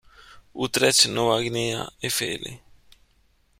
Utrecht; Nova Guinea; Fl.